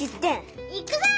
いくぞ！